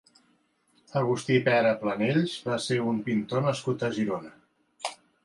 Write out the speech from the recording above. Agustí Pera Planells va ser un pintor nascut a Girona.